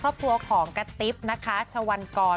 ครอบครัวของกระติ๊บนะคะชวันกร